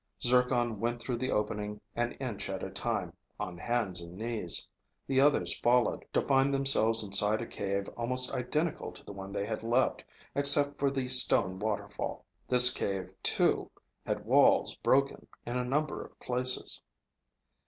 Zircon went through the opening an inch at a time, on hands and knees. The others followed, to find themselves in a cave almost identical to the one they had left, except for the stone waterfall. This cave, too, had walls broken in a number of places.